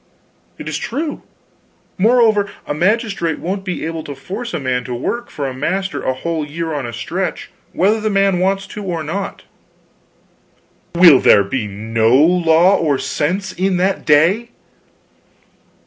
"It's true. Moreover, a magistrate won't be able to force a man to work for a master a whole year on a stretch whether the man wants to or not." "Will there be no law or sense in that day?"